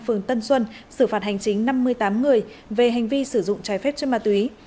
phường tân xuân xử phạt hành chính năm mươi tám người về hành vi sử dụng trái phép chất ma túy